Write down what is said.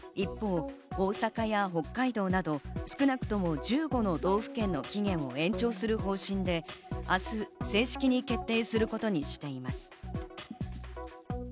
一方、大阪や北海道など、少なくとも１５の道府県の期限を延長する方針で、明日、正式に決定することにしています。